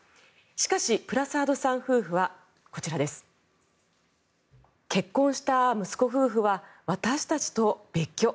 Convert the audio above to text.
しかし、プラサードさん夫婦はこちら、結婚した息子夫婦は私たちと別居。